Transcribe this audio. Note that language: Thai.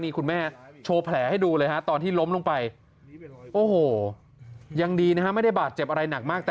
นี่คุณแม่โชว์แผลให้ดูเลยฮะตอนที่ล้มลงไปโอ้โหยังดีนะฮะไม่ได้บาดเจ็บอะไรหนักมากแต่